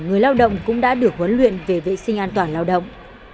người lao động cũng đã được huấn luyện về vệ sinh an toàn lao động